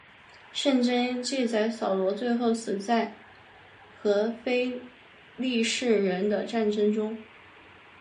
圣经记载扫罗最后死在和非利士人的战争中。